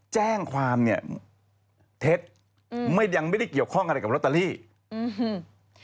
แจ้งความเนี่ยเท็จอืมยังไม่ได้เกี่ยวข้องอะไรกับรัตตาลีอืมหืม